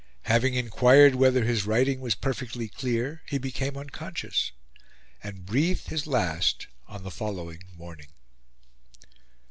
Having inquired whether his writing was perfectly clear, he became unconscious, and breathed his last on the following morning!